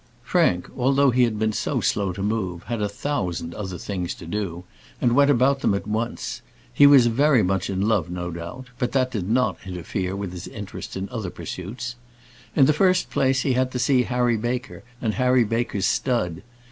Frank, although he had been so slow to move, had a thousand other things to do, and went about them at once. He was very much in love, no doubt; but that did not interfere with his interest in other pursuits. In the first place, he had to see Harry Baker, and Harry Baker's stud.